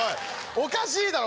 おかしいだろ！